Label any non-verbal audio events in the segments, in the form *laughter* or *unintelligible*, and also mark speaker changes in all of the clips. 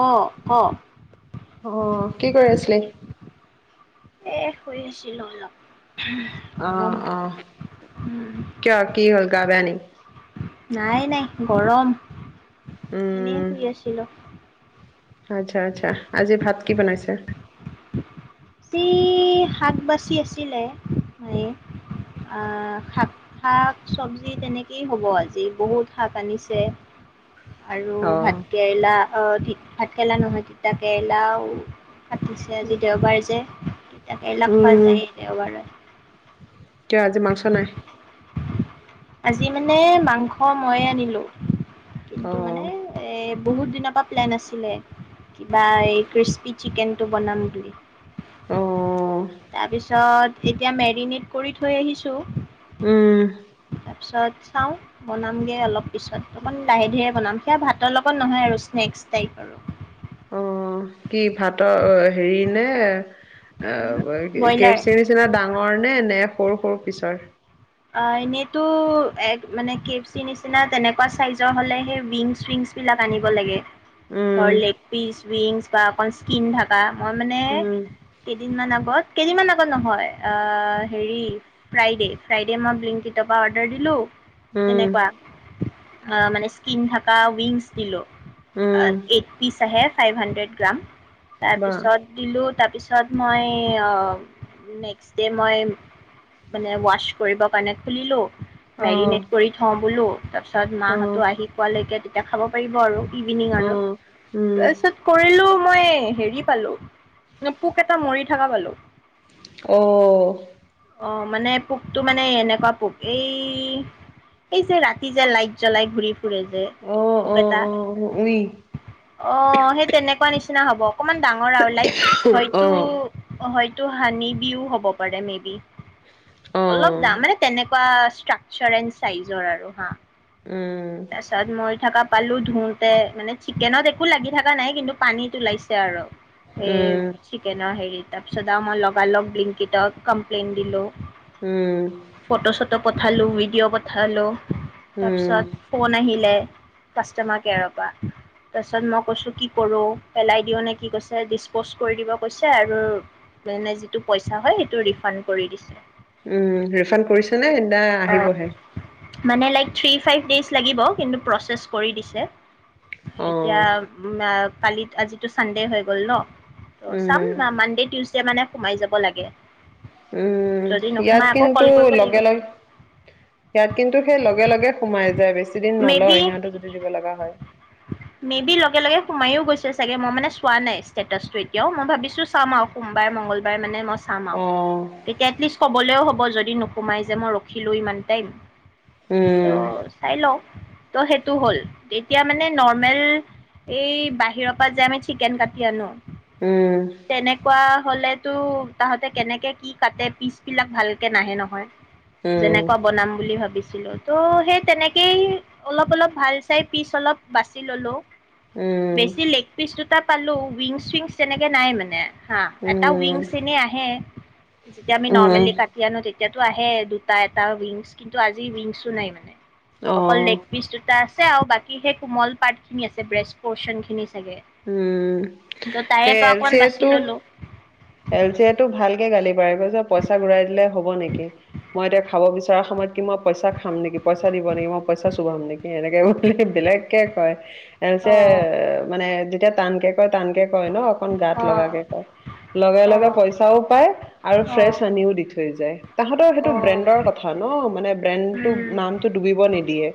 Speaker 1: অঁ ক
Speaker 2: অঁ কি কৰি আছিলে?
Speaker 1: এ শুই আছিলো অলপ। গৰম
Speaker 2: আহ আহ
Speaker 1: উম,
Speaker 2: কিয় কি হলগা ভেনি
Speaker 1: নাই নাই গৰম এনে
Speaker 2: উম
Speaker 1: শুই আছিলো
Speaker 2: আচ্ছা আচ্ছা আজি ভাত কি বনাইছে
Speaker 1: আজি শাক বাচি আছিলে শাক শাক চবজি তেনেকেই হ'ব আজি বহুত শাক আনিছে আৰু
Speaker 2: অ
Speaker 1: ভাত কেৰেলা অ ধি ভাতকেৰেলা নহয় তিতা কেৰেলাও পাতিছে আজি দেওবাৰে *unintelligible* তিতা কেৰালা পোৱা
Speaker 2: উম
Speaker 1: যায় দেওবাৰত
Speaker 2: কিয় আজি মাংস নাই
Speaker 1: আজি মানে মাংস মইয়ে আনিলো।
Speaker 2: অ
Speaker 1: কিন্তু মানে এ বহুত দিনৰ পৰা প্লেন আছিলে কিবা এই ক্ৰিস্পি চিকেনটো বনাম বুলি
Speaker 2: অ
Speaker 1: তাৰপিছত এতিয়া মেৰিনেট কৰি থৈ আহিছোঁ
Speaker 2: উম
Speaker 1: তাৰপিছত চাওঁ বনামগৈ অলপ পিছত অকণ লাহে ধীৰে বনাম সেয়া ভাতৰ লগত নহয় আৰু স্নেক্স টাইপ আৰু
Speaker 2: অ কি ভাতৰ হেৰি নে অ
Speaker 1: ব্ৰইলাৰ
Speaker 2: কেফচি নিচিনা ডাঙৰ নে নে সৰু সৰু পিছাৰ
Speaker 1: এনেইতো এক মানে কেফ চি নিচিনা তেনেকুৱা চাইজৰ হ'লে সেই ইংছ ইংছ বিলাক আনিব লাগে। ধৰ
Speaker 2: উম
Speaker 1: লেগ পিছ উংছ। বা আপ স্কিন থাকা মই মানে
Speaker 2: উম
Speaker 1: কেইদিনমান আগত কেইদিনমান আগত নহয় হেৰি ফ্ৰাইডে' ফ্ৰাইডে মই ব্লিংকিটপা অৰ্ডাৰ দিলোঁ
Speaker 2: উম
Speaker 1: তেনেকুৱা মানে স্কিন থকা উইংছ দিলোঁ
Speaker 2: উম
Speaker 1: এইট পিচ আহে ফাইভ হাণ্ড্ৰেড গ্ৰাম
Speaker 2: বা
Speaker 1: তাৰপিছত দিলো তাৰপিছত মই নেক্সট ডে' মই মানে ৱাছ। কৰিবৰ কাৰণে খুলিলো।
Speaker 2: অ
Speaker 1: মেৰিনেট কৰি থও বোলো তাৰ পিছত
Speaker 2: অ
Speaker 1: মাহতো আহি কোৱালৈকে এতিয়া খাব পাৰিব আৰু ইভিনিং
Speaker 2: অ
Speaker 1: আৰু
Speaker 2: উম
Speaker 1: তাৰপিছত কৰিলো মই হেৰি পালো পোক এটা মৰি থকা পালো
Speaker 2: অ
Speaker 1: অঁ মানে পোকটো মানে এনেকুৱা পোক এই এই যে ৰাতি যে লাইট জ্বলাই ঘূৰি ফুৰে যে
Speaker 2: অ',
Speaker 1: পোক
Speaker 2: অ',
Speaker 1: এটা
Speaker 2: অ', উই
Speaker 1: অ সেই তেনেকুৱা নিচিনা হ'ব অকমান ডাঙৰ আৰু লাইক
Speaker 2: অ',
Speaker 1: হয়তো
Speaker 2: অ',
Speaker 1: হয় তটো হানি বিও হ'ব পাৰে মে বি অলপ
Speaker 2: উম,
Speaker 1: দাম মানে তেনেকুৱা ষ্ট্ৰাকাৰ এ চাইজৰ আৰু হা
Speaker 2: উম,
Speaker 1: তাৰ পাছত মৰি থকা পালো ধোতে মানে চিকেনত একো লাগি থকা নাই কিন্তু পানীত ওলাইছে আৰু এই
Speaker 2: উম,
Speaker 1: চিক কেনে হেৰি তাৰপিছত আৰু মই লগা লগ বিলংকিত কমপ্লেইন দিলোঁ
Speaker 2: উম,
Speaker 1: ফটো চটো পঠালোঁ ভিডিঅ' পঠালোঁ
Speaker 2: উম,
Speaker 1: তাৰপিছত ফোন আহিলে কাষ্টমাৰ কেয়াৰৰ পৰা তাৰপিছত মই কৈছোঁ কি কৰোঁ পেলাই দিওঁ নে কি কৈছে ডিছপ'জ কৰি দিব কৈছে আৰু মানে যিটো পইচা হয় সেইটো ৰিফাণ্ড কৰি দিছে
Speaker 2: উম ৰিফাণ্ড কৰিছে না
Speaker 1: অ'
Speaker 2: আহিবহে
Speaker 1: মানে লাইক থ্ৰী ফাইভ ডেছ লাগিব কিন্তু প্ৰচেছ কৰি দিছে এতিয়া
Speaker 2: অ',
Speaker 1: উ কালিত আজিতো চানডে হৈ গ'ল ন, চাম
Speaker 2: উম,
Speaker 1: মা মান্দেত টিউচডে মানে সোমাই যাব লাগে। যদি
Speaker 2: ইয়াত
Speaker 1: নোসোমাই আকৌ কল
Speaker 2: কিন্তু
Speaker 1: কৰিব লাগিব
Speaker 2: লগে লগে ইয়াত কিন্তু সেই লগে লগে সোমাই যায় বেছি দিন
Speaker 1: মে বি
Speaker 2: নলয় সিহঁতে যদি দিব লগা হয়।
Speaker 1: মে বি লগে লগে সোমাইও গৈছো চাগে মই মানে চোৱা নাই ষ্টেটাচ টো এতিও মই ভাবিছো চাম আৰু সোমবাৰ, মংগলবাৰ মানে মই চাম আৰু
Speaker 2: অ',
Speaker 1: তেতিয়া এটলিষ্ট কবলৈও হ'ব হ'ব যদি নোসোমাই যে মই ৰখিলোঁ ইমান টাইম
Speaker 2: উম,
Speaker 1: ত' চাই ল ত' সেইটো হ'ল তেতিয়া মানে নৰ্মেল এই বাহিৰৰ পৰা যে আমি চিকেন কাটি আনো
Speaker 2: উম,
Speaker 1: তেনেকুৱা হলেতো তাহতে কেনেকে কি কাটে পিচ বিলাক ভালকে নাহে নহয়
Speaker 2: উম,
Speaker 1: যেনেকুৱা বনাম বুলি ভাবিছো ছিলো ত' সেই তেনেকেই অলপ অলপ ভাল চাই পিচ অলপ বাছি ললো
Speaker 2: উম,
Speaker 1: বেছি লেগ পিচটো টা পালো উইংছ চইংছ তেনেকে নাই মানে- হা এটা উইং
Speaker 2: উম,
Speaker 1: চেনে আহে। যেতিয়া আমি
Speaker 2: উম,
Speaker 1: নৰ্মেলি কাটি আনো তেতিয়া এতিয়াতো আহে দুটা এটা উইংছ কিন্তু আজি উইংছো নাই মানে?
Speaker 2: অহ
Speaker 1: জোতা আছে আৰু বাকী সেই কোমল পাৰ্ট খিনি আছে ব্ৰেষ্ট প'চন খিনি। চাগে
Speaker 2: উম
Speaker 1: কিন্তু তাৰে
Speaker 2: এ
Speaker 1: পৰা অকমান বাচি
Speaker 2: যিহেতু।
Speaker 1: ললো
Speaker 2: এল চি এ তো ভাল কে গালি পাৰিব যে পইচা ঘূৰাই দিলে। হ'ব নেকি মই এতিয়া খাব বিচাৰো। চ সময়ত কি মই পইচা খাম নেকি পইচা দিব নেকি মইা চুবাম নেকি। এনেকে বুলি বেলেগকে কয় পিছে
Speaker 1: অ
Speaker 2: মানে। এতিয়াটানকে কয় টানকে- কয় ন অকণ গাত
Speaker 1: অ
Speaker 2: লগ কে কয়। লগে
Speaker 1: অ
Speaker 2: লগে পইচাও পায় আৰু
Speaker 1: অ
Speaker 2: ফ্ৰেছ আনিও দি থৈ যায় তাহাঁতৰ সেইটো
Speaker 1: অ
Speaker 2: ব্ৰেণ্ডৰ কথা ন মানে ব্ৰেণ্ডটো নামটো ডুবিব নিদিয়ে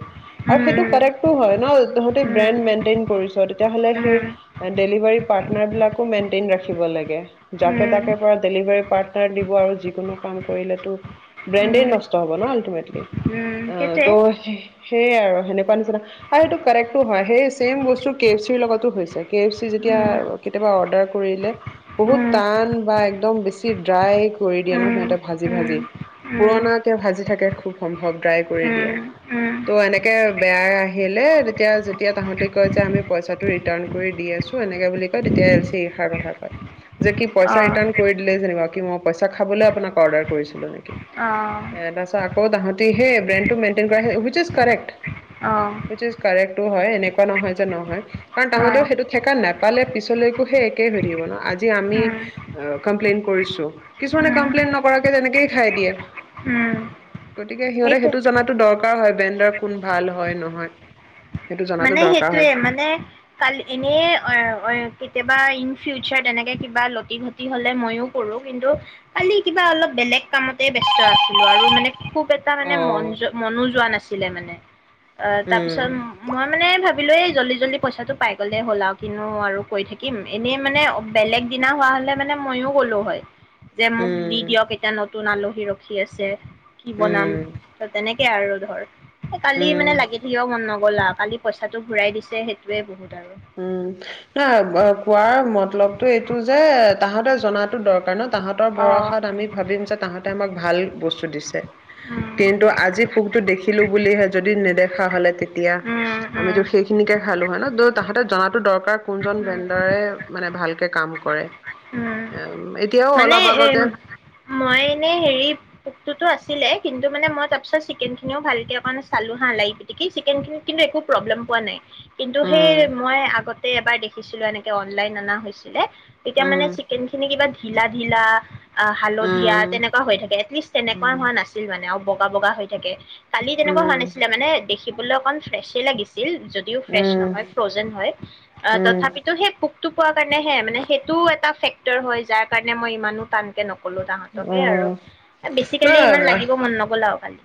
Speaker 1: উম
Speaker 2: আৰু সেইটো
Speaker 1: উম উম উম
Speaker 2: কাৰেক্ট হয় ন তহঁতে ব্ৰেণ্ড মেইনটেইন কৰিছ তেতিয়াহ'লে সেই ডেলিভাৰী পাটনাৰ বিলাকে ‌মেনটেন ৰাখিব লাগে।
Speaker 1: উম
Speaker 2: যাকে
Speaker 1: উম
Speaker 2: তাকে পৰা ডেলিভাৰী পাটনাৰ দিব আৰু যিকোনো কাম কৰিলেটো‌ ব্ৰেনদেই
Speaker 1: উম
Speaker 2: নস্ত হ'ব ন আল্টিমেটলি।
Speaker 1: উম
Speaker 2: অ ত।
Speaker 1: সেইটোৱে
Speaker 2: সেয়াই আৰু সেনেকুৱা। কোৱাটো নিচিনা সেইটো কাৰেক্টটো হয়। সেই চছেম বস্তু কে এফ চিৰ লগতো হৈছে। কে এফ চি যেতিয়া
Speaker 1: উম
Speaker 2: কেতিয়াবা অৰ্ডাৰ। কৰিলে বহুত
Speaker 1: উম
Speaker 2: টান বা একদম বেছি ড্ৰাই কৰি দিয়ে ন
Speaker 1: উম
Speaker 2: সিহঁতে ভাঁজি
Speaker 1: উম
Speaker 2: ভাঁজি।
Speaker 1: উম
Speaker 2: পুৰণাকে ভাঁজি থাকে খুব সম্ভৱ ড্ৰাই কৰি দিয়ে।
Speaker 1: উম উম
Speaker 2: টো এনেকে বেয়া আহিলে তেতিয়া তাহাতি কয় যে আমি পইচাটো ৰিটাৰ্ণ কৰি দি আছো এনেকে বুলি কয়। তেতিয়া এল চি এ এইষাৰ কথা কয়। যে কি পইচা
Speaker 1: অ'
Speaker 2: ৰিটাৰ্ণ কৰি দিলে যেনিবাক কি মই পইচা খাবলৈ আপোনাক অৰ্ডাৰ কৰিছিলো নেকি
Speaker 1: আহঁ।
Speaker 2: ক'ত হ তাতে সেই ব্ৰেণ্টো মেইনটেইন কৰা ভূ কৰেক্ট।
Speaker 1: অ'
Speaker 2: উই ইজ কৰেক্ট হয় এনেকুৱা নহয় যে নহয় কাৰণ তাহতেও সেইটো থেকা নাপালে পিছলৈকো সেই একেই হয় থাকিব ন আজি। আমি
Speaker 1: উম
Speaker 2: কপ্লেই কৰিছো কিছুমানে
Speaker 1: উম
Speaker 2: কপ্লেই নকৰাকে যেনেকে তেনেকেই খাই দিয়ে।
Speaker 1: উম
Speaker 2: গতিকে সিহঁতে
Speaker 1: সেইটোৱে
Speaker 2: সেইটো জনাাতো দৰকাৰ হয়। ব্ৰেণ্ডৰ কোন ভাল হয় নহয়। সেইটো জনাতো
Speaker 1: মানে
Speaker 2: দৰকাৰ হয়
Speaker 1: সেইটোয়ে মানে কাল এনে অ কেতিয়া। বা ইন ফিউচাৰ তেনেকে কিবা লতি ঘতি হলে মইও কৰো কিন্তু কালি কিবা অলপ বেলেগ কামতে ব্স্ত আছো আৰু মানে। খুব এটা মানে
Speaker 2: অ
Speaker 1: মন মনো যোৱা নাছিল। ছিলে মানে অ
Speaker 2: উম
Speaker 1: তাৰপিছত মই মানে ভাবিলো এই জল্দি জল্দি পইচাটো পাই গ'লেই হ'ল আৰু কিনো আৰু কৈ থাকিম এনেই মানে বেলেগ দিনা হোৱা হলে মানে মইয়ও গ'লো হয় যে মোক দি
Speaker 2: উম
Speaker 1: দিয়ক এতিয়া নতুন আলু সি ৰখি আছে কি বনাম
Speaker 2: উম
Speaker 1: ত তেনেকে এয়া আৰু ধৰ কালি মানে
Speaker 2: উম
Speaker 1: লাগি থাকিব মন নগল গ'লা কালি পইচাটো ঘূৰাই দিছে সেইটোয়ে বহুত আৰু।
Speaker 2: উম ন কোৱাৰ মত মতলৱতো এইটো যে তাহতে জনাতো দৰকাৰ ন তাহাঁতৰ
Speaker 1: অ।
Speaker 2: ভৰসাত আমি ভাবিম যে তাহাঁতে আমাক ভাল বস্তু টো দিছে
Speaker 1: উম
Speaker 2: কিন্তু আজি পোকতো দেখিলো বুলিহে যদি নেদেখা খোৱা হলে এতিয়া
Speaker 1: উম
Speaker 2: আমি
Speaker 1: উম
Speaker 2: য সেইখিনিকে খালো হয় ন দুদ তাহাঁতে জনাটো দৰকাৰ তাৰ কোনজন
Speaker 1: উম
Speaker 2: যেণ্ডাৰে মানে ভালকে কাম কৰে
Speaker 1: উম
Speaker 2: এম, এতিয়াও
Speaker 1: মানে
Speaker 2: অলপ
Speaker 1: এ
Speaker 2: আগতে
Speaker 1: মই এনে হেৰি তো আছিলে কিন্তু মে মই তাৰ চিকেন খিনি ভালকে অকন মান চালো হা লাই পিতিকি চিকেন খিনি কিন্তু একো প্ৰবেলেম পোৱা নাই কিন্তু সেই
Speaker 2: উম
Speaker 1: মই আগত এবাৰ দেখিছিলো এনেকে অনলাইন অনা হৈছিলে এতিয়া মানে
Speaker 2: উম
Speaker 1: চিকেন খিনি কিবা ধিলা ধিলা আহ হালধীয়া
Speaker 2: উম
Speaker 1: তেনেকুৱা হৈ থাকে এটলিষ্ট তেনেকুৱা
Speaker 2: উম
Speaker 1: হোৱা নাছিল মানে অ বগ বগা হৈ থাকে কালি তেনেকুৱা হোৱা
Speaker 2: উম
Speaker 1: নাছিলে মানে দেখ শিকিবলৈ অকণ ফ্ৰেছেই লাগিছে যদিও ফ্ৰেছ নহয়,
Speaker 2: উম
Speaker 1: ফ্ৰজেন হয় আ তথাপিতো সেই টো পোৱাৰ কাৰণে সেয়াই মানে সেই তো এটা ফেক্টৰ হয় যাৰ কাৰণে মই ইমানো টানকে নকওঁ কলো তাহতকে আৰু
Speaker 2: উম
Speaker 1: বেছিকেলি ইমান
Speaker 2: উম ন
Speaker 1: লাগিব মন নগ'ল আৰু খালি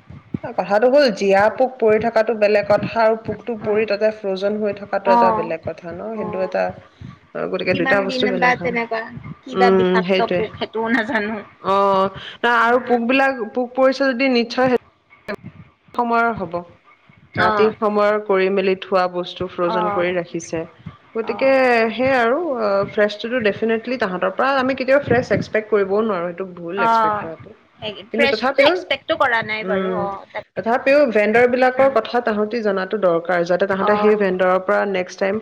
Speaker 2: কথাটো হ'ল জীয়া পোক পৰি থকাটো বেলেগ কথা, আৰু পোকতটো পৰি তাতে ফ্ৰজন হৈ থকাটো এটা
Speaker 1: অ',
Speaker 2: বেলেগ কথা ন সেইটো
Speaker 1: অ'।
Speaker 2: এটা অ গতিকে দুইটা
Speaker 1: কিমান
Speaker 2: বস্তু
Speaker 1: দিন বা
Speaker 2: বেলেগ
Speaker 1: তেনেকুৱা কিবা
Speaker 2: উম
Speaker 1: বিষাক্ত
Speaker 2: সেইটোৱে।
Speaker 1: পোক সেইটোও নাজানো।
Speaker 2: অ ন আৰু
Speaker 1: উম,
Speaker 2: পোক বিলাক পোক পৰিচ যদি নিশ্চয় হে সময়ৰ হব, ৰাতি
Speaker 1: অ',
Speaker 2: সময়ৰ কৰি মেলি। থোৱা বস্তু ফ্ৰজন
Speaker 1: অ',
Speaker 2: কৰি ৰাখিছে, গতিকে
Speaker 1: অ',
Speaker 2: সে আৰু ফ্ৰেছতো তো দেফিনেটলি তাহাঁতৰ পৰা আমি কেতিয়াবা ফ্ৰেছ এক্সপেক্ট কৰিবও নোৱাৰোঁ ভুল
Speaker 1: অ
Speaker 2: এক্সপেক্ট কৰাটো কিন্তু
Speaker 1: ফ্ৰেছ
Speaker 2: তথাপিও
Speaker 1: এক্সপেক্টো কৰা নাই বাৰু অ
Speaker 2: উম
Speaker 1: তাত।
Speaker 2: তথাপিও ভেণ্ডৰ বিলাকৰ কথা তাহতি জনাত টো দৰকাৰ। যাতে তাহাঁতে সেই
Speaker 1: অ',
Speaker 2: ভেণ্ডৰৰ পৰা নেক্সট টাইম?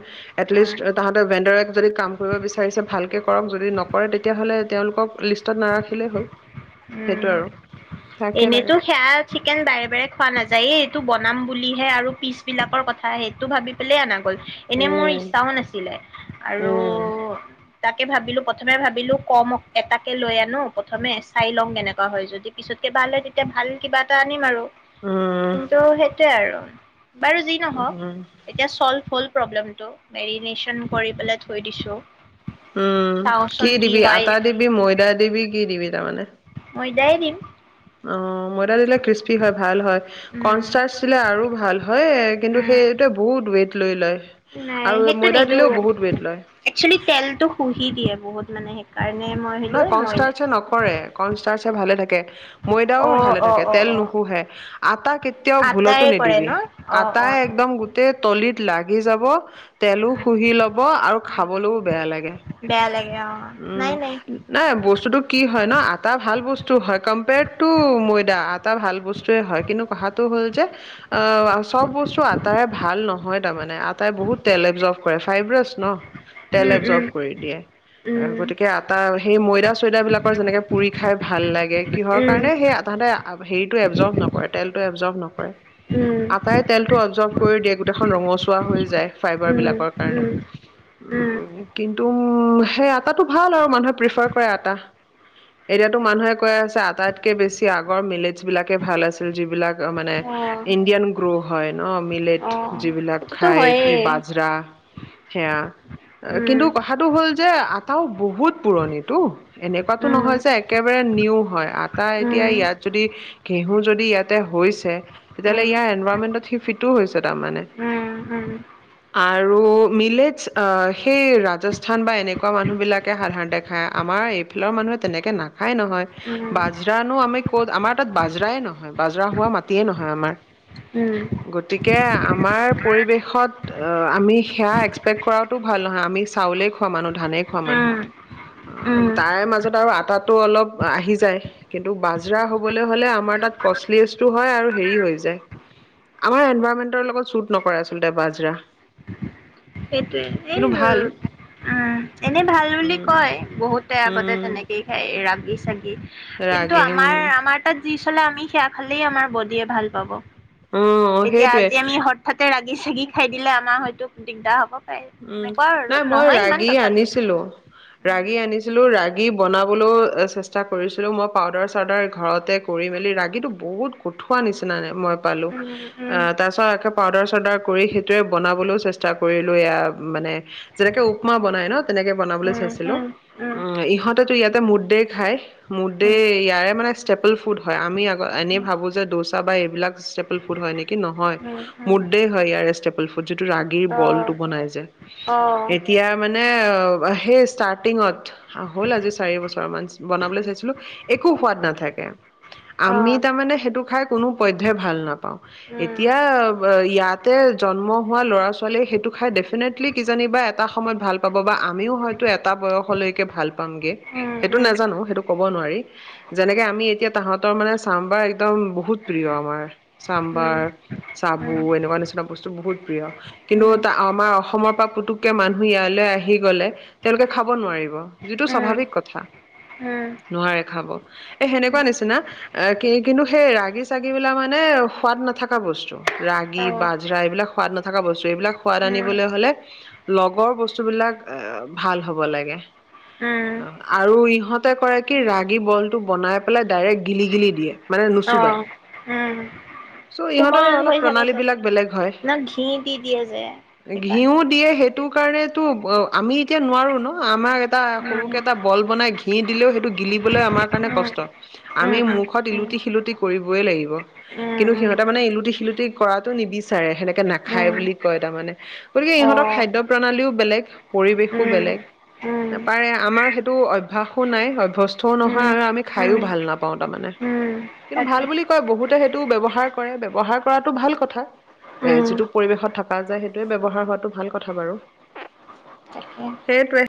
Speaker 1: উম,
Speaker 2: এটলিষ্ট তাহাঁতৰ ভেণ্ডৰ- যদি কাম কৰিব বিচাৰিছে ভাল কে কৰক যদি নকৰে তেটিয়াহলে তেওঁলোকক লিষ্টত নাৰাখিলে হল।
Speaker 1: উম। এনেতো সেয়া চিকেন বাৰে বাৰে খোৱা নাযায় এই এইটো বনাম বুলিহে আৰু পিচ বিলাকৰ কথা সেইটো ভাবি পেলাই আনা। এনে মোৰ
Speaker 2: উম
Speaker 1: ইচ্ছাও নাছিলে। আৰু
Speaker 2: উম।
Speaker 1: তাকে ভাবিলো প্ৰথমে ভাবিলো কম এটাকে লৈ আনো প্ৰথমে চাই লওঁ কেনেকুৱা হয়, যদি পিছতকে ভাল তেতিয়া ভাল কিবা এটা আনিম আৰু।
Speaker 2: উম
Speaker 1: কিন্তু সেইটোৱে আৰু। বাৰু যি নহওক
Speaker 2: উম
Speaker 1: এতিয়া চলভ হল। প্ৰব্লেম টো মেৰিনেচন কৰি পেলাই থৈ দিছো।
Speaker 2: উম কি দিবি? আটা দিবি? ময়দা দিবি? কি দিবি? তাৰমানে।
Speaker 1: ময়দায়ে দিম
Speaker 2: অ ময়দা দিলে কৃস্পি হয় ভাল হয়
Speaker 1: উম
Speaker 2: কনষ্টাৰ্টছিলে আৰু ভাল হয় কিন্তু সেইটোে বহুত ৱেট। লৈ লয়
Speaker 1: নাই
Speaker 2: আৰু
Speaker 1: সেইটো
Speaker 2: ময়দা
Speaker 1: নিদো
Speaker 2: দিলেও বহুত ৱেইট লয়।
Speaker 1: একচুৱেলি তেলতটো শুহি দিয়ে। বহুত মানে। সেইকাৰণে মই ভাবিলো
Speaker 2: নহ
Speaker 1: এ মই
Speaker 2: কনষ্টাৰ নকৰে কনষ্টায়ে ভালে থাকে। ময়দাও
Speaker 1: অ
Speaker 2: ভালে
Speaker 1: অ
Speaker 2: থাকে
Speaker 1: অ অ
Speaker 2: তেল
Speaker 1: অ
Speaker 2: নুশুহে আটা কেতিয়াও ভুলতো
Speaker 1: আটাৰে কৰে
Speaker 2: নিদিবি
Speaker 1: ন অ অ অ
Speaker 2: আটাই একদম গোটেই। তলিত লাগি যাব। তেলো শুহি ল'ব আৰু
Speaker 1: উম
Speaker 2: খাবলৈও বেয়া লাগে।
Speaker 1: বেয়া লাগে অ
Speaker 2: উম
Speaker 1: নাই নাই
Speaker 2: নাই বস্তুতো টো কি হয় ন আটা ভাল বস্তু। হয় কম্পেয়াৰ্ড টো ময়ডা আতা ভাল বস্তে হয় কিন্তু কথা টো হ'ল যে চব বস্তু আটাৰে ভাল নহয় তাৰে আটাই বহুত তেল অবছাৰ্ভদ কৰে ফাইভ ৰাওছ ন। তেল
Speaker 1: উম
Speaker 2: এবজৰ্ভ কৰি দিয়ে
Speaker 1: উম উম
Speaker 2: গতিকে আটা সেই ময়দা চয়দা বিলাকৰ যেনেকে পুৰি খাই ভাল লাগে কিহৰ কাৰণে সেই আতাতে হেৰিটো এবজৰ্ভ নকৰে তেলটো এব জব নকৰে।
Speaker 1: উম
Speaker 2: আটাই তেলটো অবজৰ্ভ কৰি দিয়ে গোটেই - এখন ৰঙচুৱা হৈ যায় ফাইবাৰ
Speaker 1: উম
Speaker 2: বিলাকৰ কাৰণে
Speaker 1: উম উম
Speaker 2: তম সেয়া তাতটো ভাল আৰু মানুহে প্ৰিফাৰ কৰে আটা এতিয়া তো মানুহে কৈ আছে আটাইতকে বেছি আগৰ মিলেটছ বিলাকে ভাল আছিল যিবিলাক মানে
Speaker 1: উম
Speaker 2: ইণ্ডিয়ান গ্ৰ' হয় ন মিলেট
Speaker 1: অ অ
Speaker 2: যিবিলাক
Speaker 1: সেইটোতো
Speaker 2: খায়
Speaker 1: হয়ে
Speaker 2: কি বাজৰা চিয়া কিন্তু
Speaker 1: উম
Speaker 2: কথাটো হ'ল যে আও বহুত পুৰণিতো এনেকুৱাতো
Speaker 1: উম
Speaker 2: নহয় যে একেবাৰে নিউ হয় আটা
Speaker 1: উম উম উম উম
Speaker 2: এতিয়া
Speaker 1: উম
Speaker 2: ইয়াত যদি ঘেঁহু যদি ইয়াতে হৈছে তেতিয়াহলে ইয়াৰ এলভামেনটত ফিটো হৈছে মানে আৰু মিলেটছ এ সেই ৰাজস্থান বা এনেকুৱা মানুহ বিলাকে সাধাৰণতে খাই আমাৰ এইফালৰ মানুহে তেনেকে নাখাই নহয় বাজৰানো আমি ক'ত আমাৰ তাত বাজৰাই নহয় বাজৰা হোৱা মাটিয়ে নহয় আমাৰ
Speaker 1: উম
Speaker 2: কে আমাৰ পৰিৱেশত আমি সেয়া এক্সপেক্ট কৰাতো ভাল নহয় আমি চাউলেই খোৱা মানুহ ধানেই খ
Speaker 1: উম উম
Speaker 2: অকনমান
Speaker 1: উম
Speaker 2: তাৰে মাজত আৰু তাৰ পাছত অলপ আহি যায় কিন্তু বাজৰা হৱলে আমাৰ তাত কচলিচতো হয় আৰু হেৰি হয় যায় আমাৰ এনবাৰ মেনকাৰ লগত চুট নকৰে আচলতে বাজৰা
Speaker 1: সেইটোৱে এই
Speaker 2: কিন্তু
Speaker 1: উ
Speaker 2: ভাল
Speaker 1: এনে ভাল বুলি
Speaker 2: উম
Speaker 1: কয় বহুতে আগতে
Speaker 2: উম
Speaker 1: তেনেকেই খায় ৰা এই চাগে কিন্তু
Speaker 2: ৰাগে উম
Speaker 1: আমাৰ আমাৰ তাত দি চলে আমি সেয়া খালেই আমাৰ বডিয়ে ভাল পাব
Speaker 2: অ
Speaker 1: এতিয়া
Speaker 2: সেইটোৱে
Speaker 1: আজি আমি হঠাৎতে ৰা সি চাগি খাই দিলে আমাৰ হয়তো দিগদাৰ হব পাৰে
Speaker 2: উম
Speaker 1: এনেকুৱা আৰু
Speaker 2: নাই মই
Speaker 1: নহয় ইমান
Speaker 2: ৰাগী
Speaker 1: তথাপিও
Speaker 2: আনিছিলো ৰাগী আনিছিলো ৰাগি বনাবলৈও চেষ্টা কৰিছিলোঁ মই পাউদাৰ চাউদাৰ ঘৰতে কৰি মেলি ৰাগীটো বহুত কঠুৱা নিচিনা মই পালো
Speaker 1: উম
Speaker 2: অ
Speaker 1: উম
Speaker 2: তাৰ পাছত পাউদাৰ চাউদাৰ কৰি সেইটোৱে বনাবলৈও চেষ্টা কৰিলো এয়া মানে যেনেকে উমা বনাই ন তেনেকে বনাবলৈ
Speaker 1: উম
Speaker 2: চাইছিলো
Speaker 1: উম উম
Speaker 2: অ ইহঁতেতো ইয়াতে মুদ দেই খাই মুদ
Speaker 1: উম
Speaker 2: দেই ইয়াৰে মানে ষ্টেপল ফুড হয় আমি আ এনেই ভাবো যে দোচা বা এইবিলাক ষ্টেপল ফুড হয় নেকি নহয়
Speaker 1: উম উম উম
Speaker 2: মুদ দেই হয় ইয়াৰে ষ্টেপল ফুড- যিটো ৰাগীৰ
Speaker 1: অ
Speaker 2: বলটো বনাই যে।
Speaker 1: অ
Speaker 2: এতিয়া মানে সেই ষ্টাৰটিঙত হ'ল আজি চাৰি বছৰ মান বনাবলৈ চাইছিলোঁ একো সোৱাদ নাথাকে
Speaker 1: অ
Speaker 2: আমি তাৰমানে সেইটো খাই কোনো পধ্যয় ভাল নাপাওঁ
Speaker 1: উম
Speaker 2: এতিয়া ইয়াতে জন্ম হোৱা ল'ৰা ছোৱালীয়ে সেইটো খাইডেফেনেত। কিজানিব বা এটা সময়ত ভাল পাব বা আমিও হয়তো এটা বয়সলৈকে ভাল পামগে
Speaker 1: উম উম উম উম উম
Speaker 2: সেইটো নাজানো সেইটো কব নোৱাৰি যেনেকে আমি এতিয়া তাহাঁতৰ মানে চাম্বাৰ একদম বহুত প্ৰিয় আমাৰ। চাম্বাৰ, চাবু এনেকুৱা নিচিনা, বস্তু বহুত প্ৰিয় কিন্তু আমাৰ অসম অসমৰ পৰা পুতুককে মানুহ ইয়ালৈ আহি গলে তেওঁলোকে খাব নোৱাৰিব যিটো
Speaker 1: উম
Speaker 2: স্বাভাৱিক কথা,
Speaker 1: উম
Speaker 2: নোৱাৰে খাব এ সেনেকুৱা
Speaker 1: উম
Speaker 2: নিচিনা এ কি কিন্তু সেই ৰাগী চাগি বিলাক মানে সোৱাদ নাথাকা বস্তু ৰাগি
Speaker 1: অ',
Speaker 2: বাজৰা এইবিলাক সোৱাদ নথকা বস্তু এইবিলাক সোৱাদ
Speaker 1: উম,
Speaker 2: আনিবলৈ হলে লগৰ বস্তুবিলাক এ ভাল হব লাগে
Speaker 1: উম,
Speaker 2: অ আৰু ইহতে কৰে কি ৰাগী বলটো বনাই পেলাই ডাইৰেক্ট গিলি গিলি দিয়ে। মানে
Speaker 1: অ
Speaker 2: নুচুবাই
Speaker 1: উম
Speaker 2: চ' ইহঁতৰ
Speaker 1: কোমল
Speaker 2: অলপ
Speaker 1: হৈ থাকে
Speaker 2: প্ৰণালী
Speaker 1: চাগে
Speaker 2: বিলাক বেলেগ হয়
Speaker 1: ন ঘি দি দিয়ে যে।
Speaker 2: ঘিউ
Speaker 1: সেইকাৰণে।
Speaker 2: দিয়ে সেইটো। তু কাৰণে তু অ আমি এতিয়া নোৱাৰো ন আমাৰ। এটা
Speaker 1: উম,
Speaker 2: সৰুকে এটা বল বনাই ঘি। ঘি দিলে সটো গিলি। বোলে আমাৰ কাৰণে
Speaker 1: উম,
Speaker 2: কষ্ট আমি
Speaker 1: উম,
Speaker 2: মুখত
Speaker 1: উম,
Speaker 2: ইলুতি শিলুটি। কৰিবয়ই লাগিব
Speaker 1: উম,
Speaker 2: কিন্তু
Speaker 1: উম,
Speaker 2: সিহঁতে মানে ইলুটি শিলুটি কৰাটো নিবিচাৰে সেনেকে
Speaker 1: উম,
Speaker 2: নাখায়
Speaker 1: উম,
Speaker 2: বুলি কয় তাৰমানে। গতিকে ইহঁতৰ
Speaker 1: অ',
Speaker 2: খাদ্য প্ৰণালীও বেলেগ পৰিৱেশো
Speaker 1: উম,
Speaker 2: বেলেগ
Speaker 1: উম,
Speaker 2: পাৰে আমাৰ সেইটো অভ্যাস নাই অভ্যস্ত ও
Speaker 1: উম,
Speaker 2: নহয় আৰু আমি
Speaker 1: উম,
Speaker 2: খাইও ভাল নাপাও তাৰমানে,
Speaker 1: উম,
Speaker 2: কিন্তু ভাল
Speaker 1: তাকে,
Speaker 2: বুলি কয়, বহুতে সেইটো ব্যৱহাৰ কৰে, ব্যৱহাৰ কৰাটো ভাল কথা এ
Speaker 1: উম,
Speaker 2: যিটো পৰিৱেশত থকা যায় সেই। ব্যৱহাৰ হোৱাটো ভাল কথা বাৰু
Speaker 1: তাকে।
Speaker 2: সেইটোৱে।